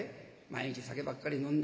毎日酒ばっかり飲んで。